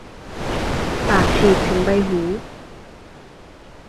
ปากฉีกถึงใบหู